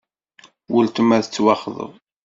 Uletma tettwaxḍeb.